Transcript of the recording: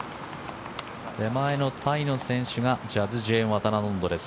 手前のタイの選手がジャズ・ジェーンワタナノンドです。